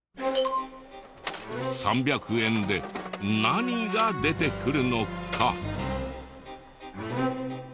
３００円で何が出てくるのか？